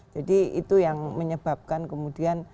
jadi itu yang menyebabkan kemudian